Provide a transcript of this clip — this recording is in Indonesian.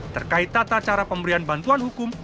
terkait tata cara pemberian bantuan hukum